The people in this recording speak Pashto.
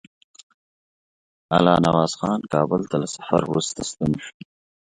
الله نواز خان کابل ته له سفر وروسته ستون شو.